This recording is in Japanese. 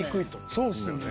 そうっすよね。